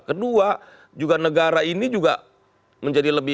kedua juga negara ini juga menjadi lebih